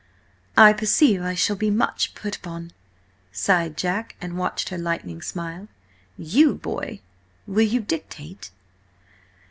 "I perceive I shall be much put upon," sighed Jack, and watched her lightning smile. "You BOY! Will you dictate?"